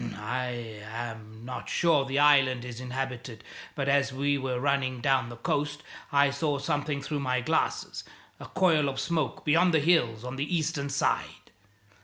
I am not sure the island is inhabited; but as we were running down the coast I saw something through my glasses a coil of smoke beyond the hills on the eastern side.